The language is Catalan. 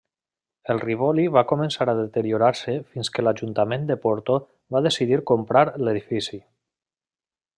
El Rivoli va començar a deteriorar-se fins que l'Ajuntament de Porto va decidir comprar l'edifici.